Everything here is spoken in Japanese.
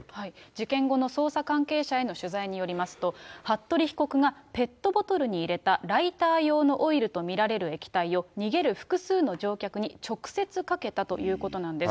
事件後の捜査関係者への取材によりますと、服部被告がペットボトルに入れたライター用のオイルと見られる液体を、逃げる複数の乗客に直接かけたということなんです。